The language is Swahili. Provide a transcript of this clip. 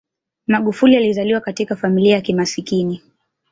magufuli alizaliwa katika familia ya kimaskini